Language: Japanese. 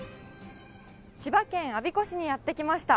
千葉県我孫子市にやって来ました。